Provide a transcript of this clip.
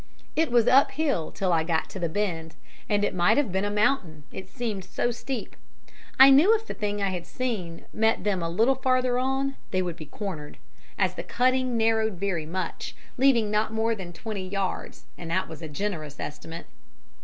"It was uphill till I got to the bend, and it might have been a mountain, it seemed so steep. I knew if the thing I had seen met them a little farther on, they would be cornered, as the cutting narrowed very much, leaving not more than twenty yards, and that was a generous estimate.